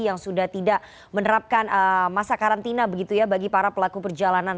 yang sudah tidak menerapkan masa karantina begitu ya bagi para pelaku perjalanan